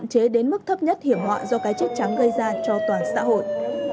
trắng gây ra cho toàn xã hội